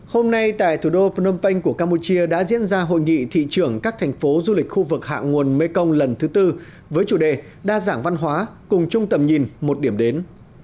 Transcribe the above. hôm nay tại thủ đô phnom penh của campuchia đã diễn ra hội nghị thị trưởng các thành phố du lịch khu vực hạ nguồn mekong lần thứ tư với chủ đề đa dạng văn hóa cùng chung tầm nhìn một điểm đến